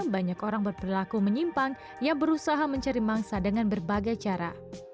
banyak orang berperilaku menyimpang yang berusaha mencari mangsa dengan berbagai cara